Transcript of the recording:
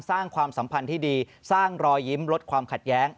ความสัมพันธ์ที่ดีสร้างรอยยิ้มลดความขัดแย้ง